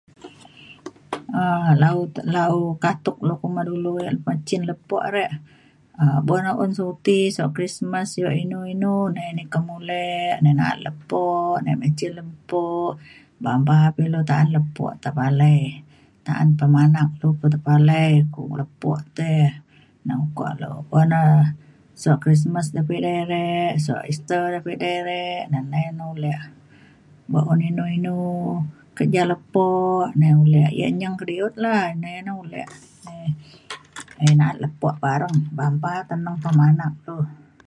um la'u la'u katuk lu kuma dulu ia' lepa cin lepo rek um bo na un suti sio Krismas sio inu inu nai na ikem mulek nai na'at lepo nai na'at me cin lepo bamba pa ilu ta'an lepo tepalai ta'an pemanak lu pa tepalai [unintelligible] lepo teh na uko [unintelligible] po ida sio Krismas pa ida rek sio Easter pa ida rek na nai na ulek. bo un inu inu kerja lepo nai ulek ia' nyeng kediut la nai na ulek nai na'at lepo bareng bamba teneng pemanak lu